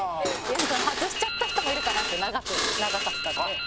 外しちゃった人もいるかなって長かったので。